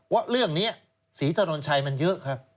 ว่าเรื่องนี้ศรีถนนชัยมันเยอะครับ